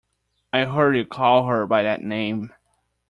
I heard you call her by that name.